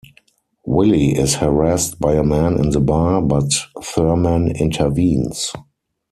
Willie is harassed by a man in the bar, but Thurman intervenes.